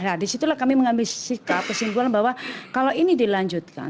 nah disitulah kami mengambil sikap kesimpulan bahwa kalau ini dilanjutkan